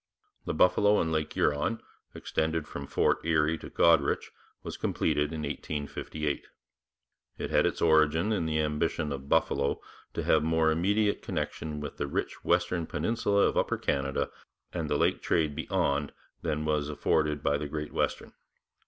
The Buffalo and Lake Huron, extending from Fort Erie to Goderich, was completed in 1858. It had its origin in the ambition of Buffalo to have more immediate connection with the rich western peninsula of Upper Canada and the Lake trade beyond than was afforded by the Great Western.